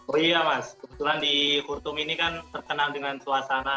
oh iya mas kebetulan di khurtum ini kan terkenal dengan suasana